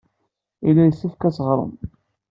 Yella yessefk ad d-teɣrem.